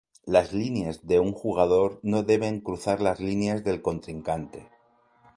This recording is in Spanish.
Las líneas de un jugador no deben cruzar las líneas del contrincante.